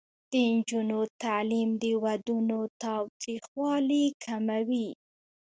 د نجونو تعلیم د ودونو تاوتریخوالي کموي.